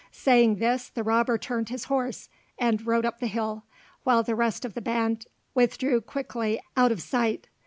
Saying this, the robber turned his horse, and rode up the hill, while the rest of the band withdrew quickly out of sight.